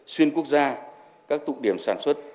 xuyên quốc gia các tụ điểm sản xuất